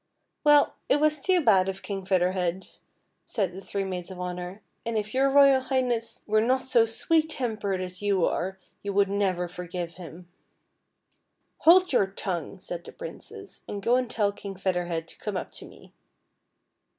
"Well, it was too bad of King Feather Head," said the three maids of honour, "and if \oiir Ro\ al Iligii ness were not so sweet tempered as } ou are, \ ou would never forgive him," " Hold your tongue," said the Princess, " and go and tell King Feather Head to come up to me."